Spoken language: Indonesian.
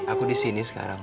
aku di sini sekarang